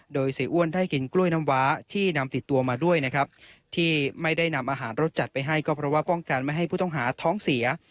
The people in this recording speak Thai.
โดยเสียอ้วนได้กินกล้วยน้ำว้าที่นำติดตัวมาด้วยนะครับที่ไม่ได้นำอาหารรสจัดไปให้ก็เพราะว่าป้องกันไม่ให้ผู้ต้องหาท้องเสีย